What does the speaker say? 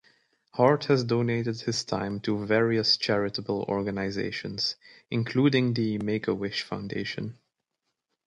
Hart has donated his time to various charitable organizations, including the Make-A-Wish Foundation.